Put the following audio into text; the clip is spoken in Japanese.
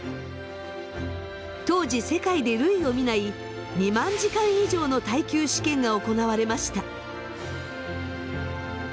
当時世界で類を見ない２万時間以上の耐久試験が行われました。